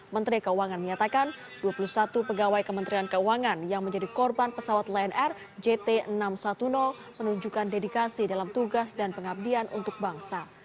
menteri keuangan menyatakan dua puluh satu pegawai kementerian keuangan yang menjadi korban pesawat lion air jt enam ratus sepuluh menunjukkan dedikasi dalam tugas dan pengabdian untuk bangsa